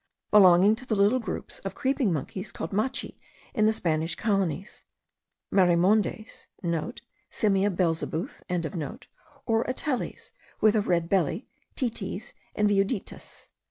belonging to the little groups of creeping monkeys called matchi in the Spanish colonies; marimondes* (* Simia belzebuth.), or ateles with a red belly; titis, and viuditas.